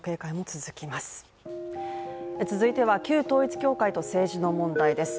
続いては旧統一教会と政治の問題です。